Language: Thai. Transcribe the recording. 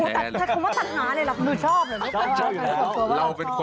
ตันหาอะไรหรอคุณ